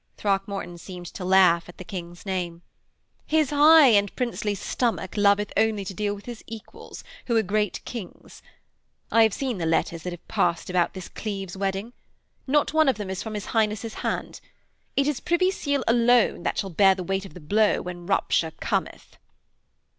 Throckmorton seemed to laugh at the King's name. 'His high and princely stomach loveth only to deal with his equals, who are great kings. I have seen the letters that have passed about this Cleves wedding. Not one of them is from his Highness' hand. It is Privy Seal alone that shall bear the weight of the blow when rupture cometh.'